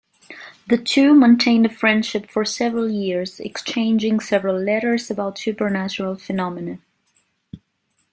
The two maintained a friendship for several years, exchanging several letters about supernatural phenomena.